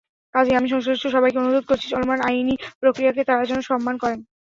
কাজেই, আমি সংশ্লিষ্ট সবাইকে অনুরোধ করছি, চলমান আইনিপ্রক্রিয়াকে তাঁরা যেন সম্মান করেন।